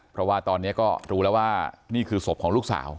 เพราะว่าตอนนี้ก็รู้แล้วว่านี่คือศพของลูกสาว